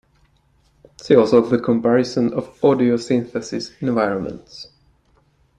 See also the comparison of audio synthesis environments.